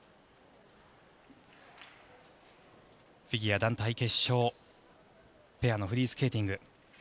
フィギュア団体決勝ペアのフリースケーティング。